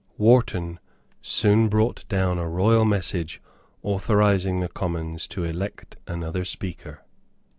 Wharton soon brought down a royal message authorising the Commons to elect another Speaker.